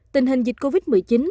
tình hình dịch covid một mươi chín